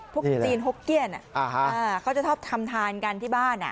จีนฮกเกี้ยนเขาจะชอบทำทานกันที่บ้าน